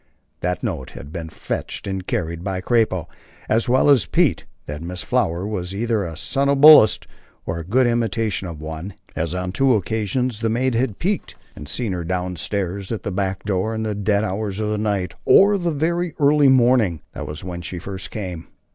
That notes had been fetched and carried by "Crappo" as well as Pete; that Miss Flower was either a somnambulist or a good imitation of one, as on two occasions the maid had "peeked" and seen her down stairs at the back door in the dead hours of the night, or the very early morning. That was when she first came.